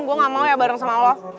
gue gak mau ya bareng sama lo